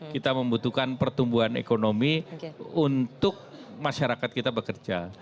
kita membutuhkan pertumbuhan ekonomi untuk masyarakat kita bekerja